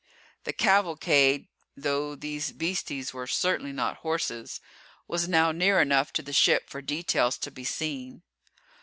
The cavalcade though these beasties were certainly not horses was now near enough to the ship for details to be seen.